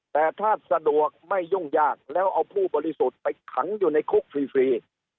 แต่ถ้าสะดวกไม่ยุ่งยากแล้วเอาผู้บริสุทธิ์ไปขังอยู่ในคุกฟรี